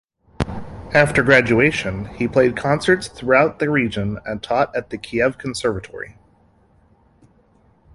After graduation, he played concerts throughout the region and taught at the Kiev Conservatory.